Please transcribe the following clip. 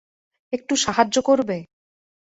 একটু সাহায্য করবে?